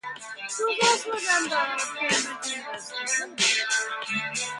He was also a member of Cambridge Universities Labour Club.